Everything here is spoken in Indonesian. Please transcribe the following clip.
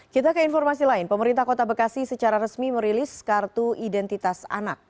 kita ke informasi lain pemerintah kota bekasi secara resmi merilis kartu identitas anak